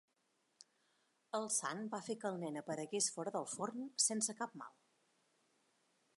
El sant va fer que el nen aparegués fora del forn, sense cap mal.